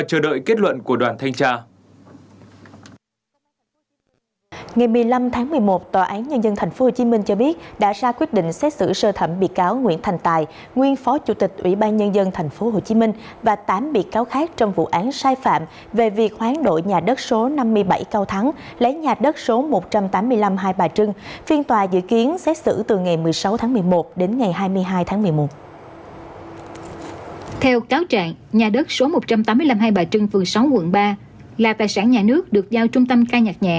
theo cáo trạng nhà đất số một trăm tám mươi năm hai bà trưng phường sáu quận ba là tài sản nhà nước được giao trung tâm khai nhạc nhẹ